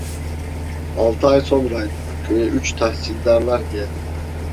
Altı ay sonraydı, köye üç tahsildarlar geldi.